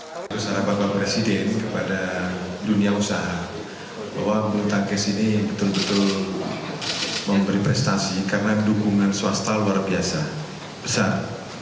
keputusan bapak presiden kepada dunia usaha bahwa bulu tangkis ini betul betul memberi prestasi karena dukungan swasta luar biasa besar